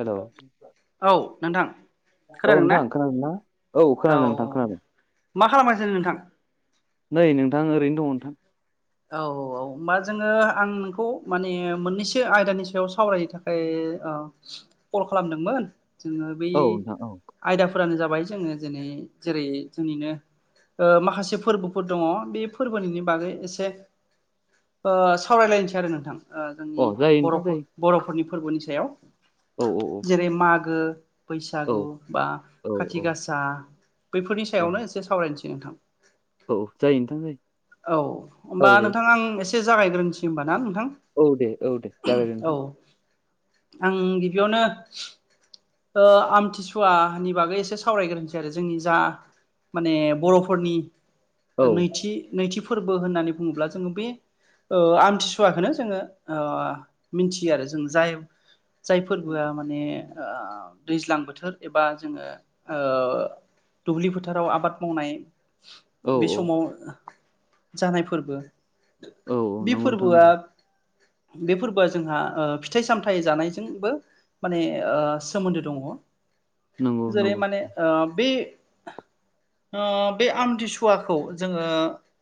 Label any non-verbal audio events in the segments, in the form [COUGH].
Hello औ नोंथां औ खोनादों ना नोंथां खोनादों ना? औ खोनादों नोंथां खोनादों। मा खालामगासिनो नोंथां नै नोंथां ओरैनो दङ नोंथां। औ औ होमबा जोङो आं नोंखौ माने मोननैसो आयदानि सायाव सावरायनो थाखाय ओ अ कल खालामदोंमोन। जोङो बै औ नोंथां औ आयदा फोरानो जाबाय जोङो दिनै जेरै जोंनिनो ओ माखासे फोरबोफोर दङ बे फोरबोनिनो बागै एसे ओ सावरायलायनोसै आरो नोंथां ओ अ जोंनि जायो नोंथां बर'फोर जायो बर'फोरनि फोरबोनि सायाव। औ जेरै मागो औ बैसागु बा औ खाथि औ गासा बैफोरनि औ सायावनो एसे सावरायनोसै। दे नोंथां। औ जायो नोथां जायो। औ होमबा सावरायजायो नोंथां आं एसे जागायग्रोनोसै होनबा ना नों थां। औ दे औ दे जाबाय दे औ नोंथां आं गिबियावनो ओ आमथिसुवानि बागै एसे सावरायग्रोनोसै आरो जोंनि जा माने बर'फोरनि औ नैथि नैथि फोरबो होननानै बुङोब्ला जोङो बे ओ आमथिसुवाखौनो जोङो ओ मिनथियो आरो जों जाय फोरबोआ माने ओ दैज्लां बोथोर एबा जोङो ओ दुब्लि फोथाराव आबाद मावनाय औ बे समाव जानाय फोरबो औ बि नंगौ नोंथां फोरबोआ बे फोरबोआ जोंहा फिथाइ सामथाइ जानायजोंबो माने ओ सोमोन्दो दङ नंगौ नंगौ जेरै माने ओ बे ओ बे आमथिसुवाखौ जोङो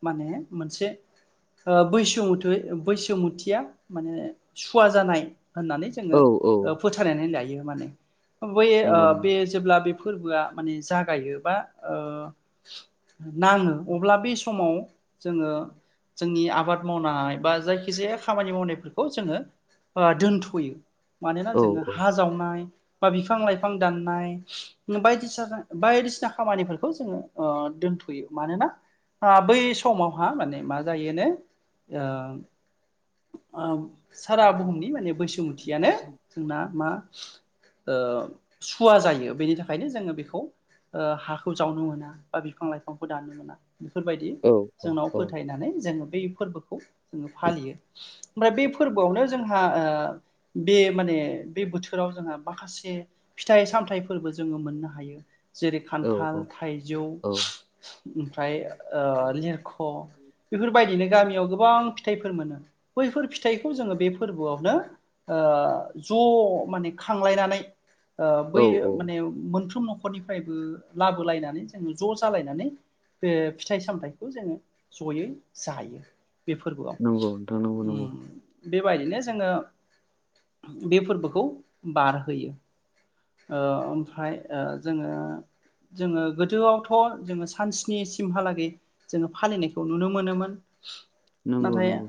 माने मोनसे ओ बैसोमुथै बैसुमुथिया माने सुवा जानाय होननानै औ जोङो औ ओ फोथायनानै लायो माने बै ओ नंगौ नंगौ बे जेब्ला बे फोरबोआ माने जागायो बा ओ नाङो अब्ला बे समाव जोङो जोंनि आबाद मावनाय बा जायखि जाया खामानि मावनायफोरखौ जोङो ओ दोनथ'यो मानोना औ जोङो हा जावनाय बा बिफां लाइफां दाननाय बायदिना बायदिसिना खामानिफोरखौ जोङो ओ दोनथ'यो मानोना आ बै समावहा माने मा जायोनो आ आ सारा बुहुमनि माने बैसुमुथियानो जोंना मा ओ सुवा जायो बेनि थाखायनो जोङो बेखौ ओ हाखौ जावनो मोना बा बिफां लाइफांखौ दाननो मोना बेफोरबायदि औ औ जोंनाव औ फोथायनानै जोङो बै फोरबोखौ जोङो फालियो ओमफ्राय बे फोरबोआवनो जोंहा बे माने बे बोथोराव जोंहा माखासे फिथाइ सामथाइफोरबो जोङो मोननो हायो जेरै औ औ खान्थाल थाइजौ ओमफ्राय ओ लिरख' बेफोर बायदिनो गामियाव गोबां फिथाइफोर मोनो बैफोर फिथाइखौ जोङो बे फोरबोआवनो ओ ज' माने खा खांलायनानै ओ औ बै औ माने मोन गंफ्रोम न'खरनिफ्रायबो लाबोलायनानै जोङो ज' जालायनानै बे फिथाइ सामथायाइखौ जोङो जयै जायो बे फोरबोआव नंगौ नोंथां नंगौ नंगौ उम‌ बे बायदिनो जोङो बे फोरबोखौ बारहोयो ओ ओमफ्राय ओ जोङो जोङो गोदोआवथ' जोङो सान स्नि सिम हालागै जोङो फालिनायखौ नुनो मोनोमोन नंगौ नंगौ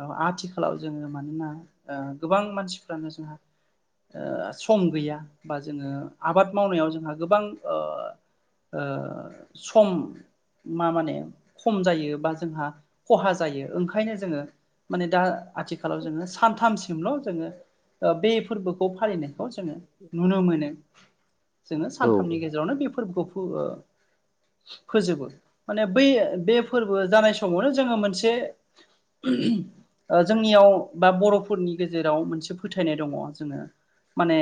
ओ आथिखालाव जोङो मानोना ओ गोबां मानसिफ्रानो जोंहा ओ सम गैया बा जोङो आबाद मावनायाव जोंहा गोबां ओ ओ सम मा माने खम जायो बा जोंहा खहा जायो ओंखायनो जोङो माने दा आथिखालाव जोङो सानथाम सिमल' जोङो ओ बे फोरबोखौ फालिनायखौ जोङो नुनो मोनो जोङो औ सानथामनि गेजेरावनो बे फोरबोखौ फो ओ फोजोबो माने बै बे फोरबो जानाय समावनो जोङो मोनसे [INAUDIBLE] ओ जोंनियाव बा बर'फोरनि गेजेराव मोनसे फोथायनाय दङ जोङो माने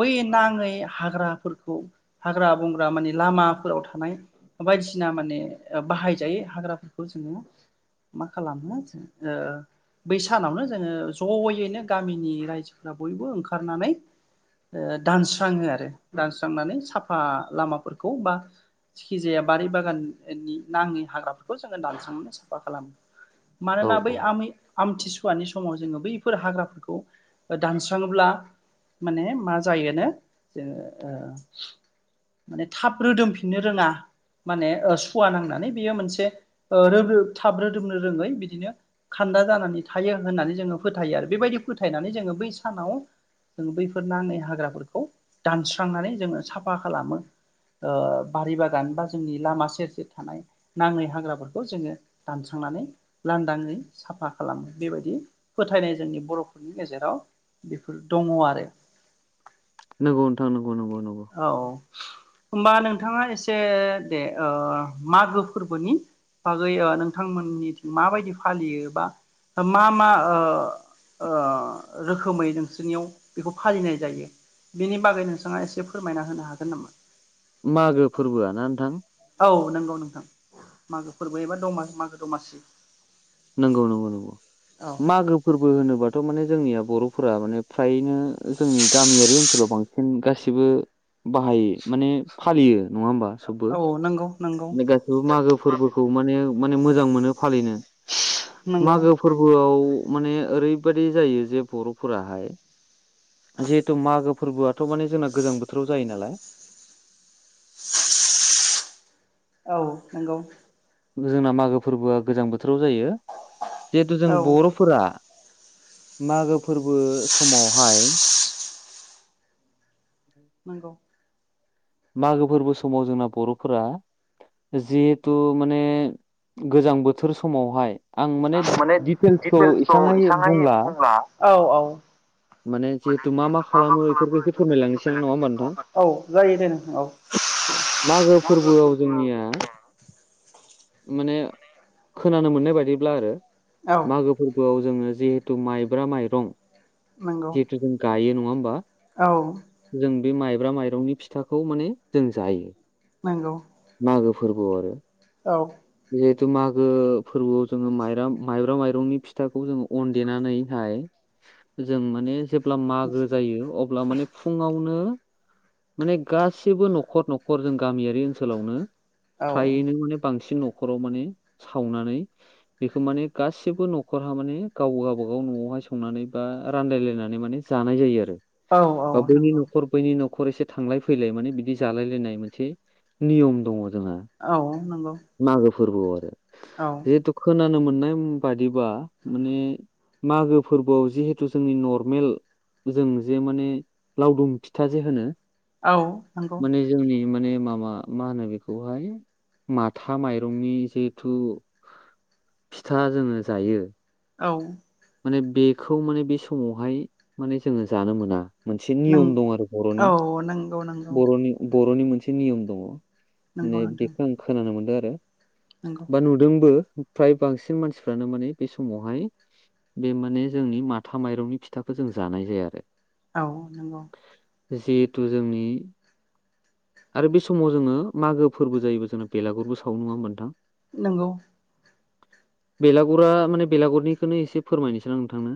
बै नाङै हाग्राफोरखौ हाग्रा बंग्रा मानि लामाफोराव थानाय बायदिसिना माने ओ बाहायजायो हाग्राफोरखौ जोङो मा खालामो जों ओ बै सानावनो जोङो जयैनो गामिनि रायजोफ्रा बयबो ओंखारनानै ओ दानस्राङो आरो दानस्रांनानै साफा लामाफोरखौ बा जेखिजाया बारि बागाननि नाङै हाग्राफोरखौ जोङो दानस्रांनानै साफा खालामो औ मानोना बै औ आमि आमथिसुवानि सम समाव जोङो बैफोर हाग्राफोरखौ दानस्राङोब्ला माने मा जायोनो जोङो ओ माने थाब रोदोमफिननो रोङा माने ओ सुवा नांनानै बियो मोनसे ओ रोदो थाब रोदोमनो रोङै बिदिनो खान दा जानानै थायो होननानै जोङो फोथायो आरो बे बायदि फोथायनानै जोङो बै सानाव जों बैफोर नाङै हाग्राफोरखौ दानस्रांनानै जोङो साफा खालामो। ओ बारि बागान बा जोंनि लामा सेर सेर थानाय नाङै हाग्राफोरखौ जोङो दानस्रां नानै लांदाङै साफा खालामो बे बायदि फोथायनाय जोंनि बर'फोरनि गेजेराव बेफोर दङ आरो नंगौ नोंथां नंगौ नंगौ नंगौ औ। होमबा नोंथाङा एसे दे ओ मागो फोरबोनि बागै ओ नोंथांमोननिथिं मा बायदि फालियो बा मा मा ओ ओ रोखोमै नोंसोरनियाव बेखौ फालिनाय जायो बेनि बागै नोंथाङा एसे फोरमायना होनो हागोन नामा? मागो फोरबोआ ना नोंथां औ नंगौ नोंथां मागो फोरबो एबा दमा मागो दमासि नंगौ नंगौ नंगौ औ मागो फोरबो होनोबाथ' माने जोंनिया बर' फोरा माने फ्रायनो जोंनि गामियारि ओनसोलाव बांसिन गासिबो बाहाय माने फालियो नङा होमबा सबबो औ नंगौ नंगौ गासिबो मागो फोरबोखौ माने माने मोजां मोनो फालिनो नंगौ मागो फोरबोआव माने ओरै बायदि जायो जे बर'फोराहाय जिहेथु मागो फोरबोआथ' माने जोंना गोजां बोथोराव जायो नालाय औ नंगौ। जोंना मागो फोरबोआ गोजां बोथोराव जायो जिहेथु जों औ बर'फोरा मागो फोरबो समावहाय नंगौ। मागो फोरबो समाव जोंना बर'फोरा जिहेथु माने गोजां बोथोर समावहाय आं माने दिडटेल्सखौ इसांङै बुंला औ औ माने जिहेथु मा मा खालामो इफोरखो इसे फोरमायलांनोसै आं नङा होमबा नङा होमबा औ जायो दे औ नोंथां मागो फोरबोआव जोंनिया माने खोनानो मोन मोननाय बादिब्ला आरो औ मागो फोरबोआव जोङो जिहेथु माइब्रा माइरं नंगौ जिहुथु जों गायो नङा होमबा औ। जों बे माइब्रा माइरंनि फिथाखौ माने जों जायो। नंगौ। फोरबो आव आरो औ। जिहेथु मागो फोरबोआव जोङो माइरा माइब्रा माइरंनि फिथाखौ जोङो अन देनानैहाय। [INAUDIBLE] जों माने जेब्ला मागो जायो अब्ला माने फुङावनो माने गासिबो नखर नखर जों गामियारि ओनसोलावनो औ फ्रायैनो नंगौ माने बांसिन न' खराव माने सावनानै बेखौ माने गासिबो नखरहा माने गाव गावबा गाव न'आव संनानै बा रानलाय लायनानै माने जानाय जायो आरो बा औ बैनि नंगौ नखर बैनि न खरसे थांलाय फैलाय माने बिदि जालायलायनाय मोनसे नियम दङ। जोंहा औ नंगौ। मागो फोरबोआव आरो जिहुतु खोनानो मोन नेम बादिबा माने मागो फोरबोआव जे थु जोंनि नरमेल जों जे माने लावदुम फिथा जे होनो माने जोंनि माने मा मा मा होनो बेखौहाय माथा माइरंनि जिहेथु फिथा जोङो जायो। औ माने बेखौ माने बे समावहाय माने जोङो जानो मोना। मोनसे नों नियम दं आरो बरनि औ नंगौ नंगौ बरनि ब रनि मोनसे नियम दङ नंगौ माने नोंथां बेखौ आं खोनानो मोनदों आरो। नंगौ बा नुदोंबो फ्राय बांसिन मानसिफ्रानो माने बे समावहाय बे माने जोंनि माथा माइरंनि फिथाखौ जों जानाय जाया आरो। औ नंगौ। जिहेथु जोंनि आरो बे समाव जोङो मागो फोरबो जायोबो जोंना बेलागुरबो सावो नङा होमबा नोंथां? नोंगौ। बेलागुरा माने बेलागुरनिखोनो एसे फोरमायनोसै आं नोंथांनो।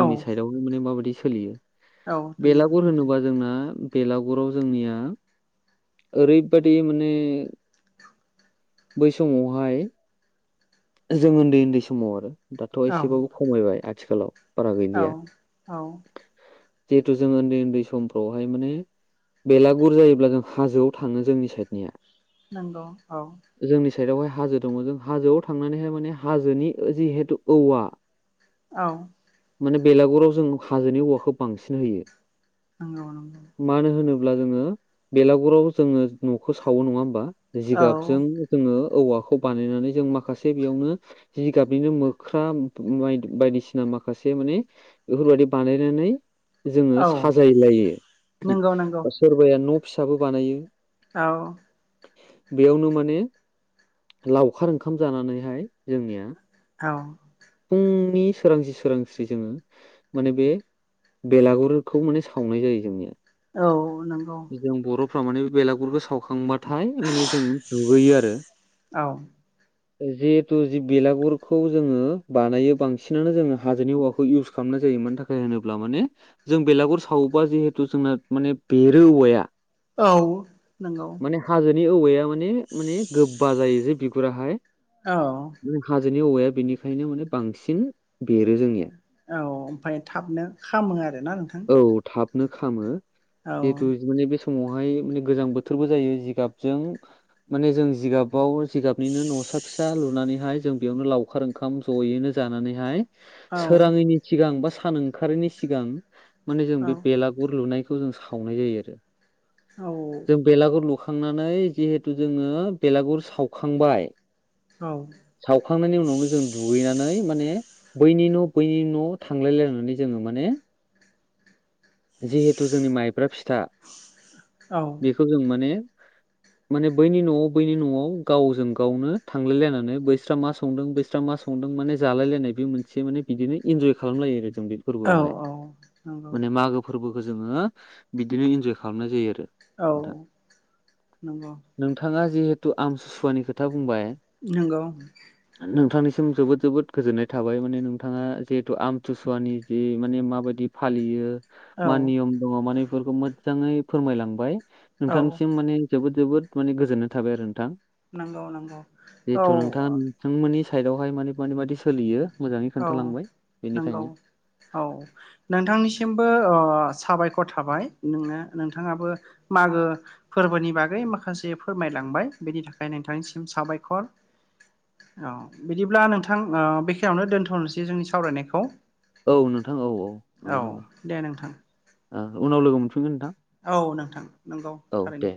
औ साइडआवनो माने माबायदि सोलियो औ नंगौ बेलागुर नोंथां दे होनोबा जोंना बेलागुराव जोंनिया ओरैबादि माने बै समावहाय जों उन्दै उन्दै समाव आरो दाथ औ एसेबाव बाइ आथिखालाव औ औ जिहेतु जों उन्दै उन्दै समफ्रावहाय माने बेलागुर जायोब्ला जों हाजोआव थाङो जोंनि साइडनिया। नंगौ औ। साइदआवहाय हाजो दङ जों हाजोआव थांनानैहाय माने हाजोनि जिहेतु औवा औ माने बेलागुराव जों हाजोनि औवाखौ बांसिन होयो। नंगौ नंगौ। अब्ला जोङो बेलागुराव जोङो न'खौ सावो नङा होमबा जिगाबजों जोङो औवाखौ बानायनानै जों माखासे बेयावनो जिगाबनिनो मोख्रा [UNINTELLIGIBLE] बायदिसिना माखासे माने बेफोरबायदि बानायनानै जोङो औ साजायलायो नंगौ नंगौ सोरबाया न' फिसाबो बानायो। औ बेयावनो माने लावखार ओंखाम जानानैहाय जोंनिया औ नि सोरांस्रि सोरांस्रि जोङो माने बे बेलागुरखौ माने सावनाय जायो जोंनिया। औ औ नंगौ। फ्राव माने बेलागुरफोरखौ सावखांबाथाय माने जों दुगैयो आरो औ जिहेतु जि बेलागुरखौ जोङो बानायो बां सिनानो जोङो हाजोनि औवाखौ इउस खालामनाय जायो मानो थाखाय होनोब्ला माने जों बेलागुर सावोबा जिहेथु जों माने बेरो औवाया औ नोंगौ। नि औवाया माने माने गोबबा जायो जे बिगुराहाय औ। हाजोनि औवाया बेनिखायनो माने बांसिन बेरो जोंनिया औ ओमफ्राय थाबनो खामो आरोना नोंथां। नो खालामो औ जितु माने बे समावहाय [INAUDIBLE] गोजां बोथोरबो जायो जिगाबजों मान जों जिगाव जिगनिनो न' फिसा लुनानैहाय जों बेयावनो लावखार ओंखाम जयैनो जानानै औ सोराङैनि सिगां बा सान ओंखारनि सिगां माने जों औ बे बेलागुर लुनायखौ जों सावनाय जायो आरो जों बेलागुर लु सावखांनानै जिहेथु जोङो बेलागुर सावखांबाय। सावखांनायनि उनावनो जों दुगैनानै माने बैनि न' बैनि न' थांलायलायनानै जोङो माने जिहेथु जोंनि माइब्रा फिथा औ बेखौ जों माने [INAUDIBLE] माने बैनि न'आव बैनि न'आव गावजों गावनो थांलायलायनानै बैस्रा मा संदों बैस्रा मा संदों। माने जालायलायनाय बे मोनसे माने बिदिनो इन्जय खालामलायो आरो। जों बे औ फोरबोआवहाय औ नंगौ माने मागो फोरबोखौ जोङो बिदिनो इन्जय खालामनाय जायो आरो। औ थां नंगौ नोंथाङा जे आम सुवानि खोथा बुंबाय नंगौ नोंथांनि सिम जोबोद जोबोद गोजोननाय थाबाय माने नोंथाङा जिहेथु आमतुसुवानि जि माने माबायदि फालियो? औ मा नियम दङ मान बेफोरखौ मोजाङै फोरमायलांबाय औ नोंथांनिसिम माने जोबोद जोबोद माने गोजोननाय थाबाय आरो नोंथां नंगौ नंगौ जिहेथु नोंथां औ नोंथांमोननि साइदावहाय माने मानि माददि सोलियो मोजाङै औ खोन्थालांबाय नंगौ बेनिखायनो औ नोंथांनिसिमबो अ साबायखर थाबाय नोंनो नोंथाङाबो मागो फोरबोनि बागै माखासे फोरमायला थांबाय बेनि थाखाय नोंथांनिसिम साबायखर औ बिदिब्ला नोंथां ओ बेखायावनो दोन्थ'नोसै जोंनि सावरायनायखौ औ नोंथां औ औ औ नङा नङा दे नोंथां ओ उनाव लोगो मोनफिनगोन नोंथां। औ नोंथां नंगौ औ थारैनो। दे